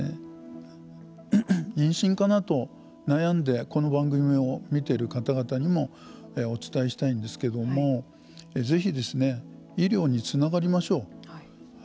妊娠かなと悩んでこの番組を見ている方々にもお伝えしたいんですけれどもぜひ、医療につながりましょう。